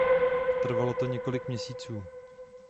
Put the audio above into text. Trvalo to několik měsíců.